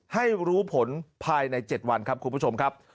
ให้รู้ผลภายใน๗วันครับคุณผู้ชมครับ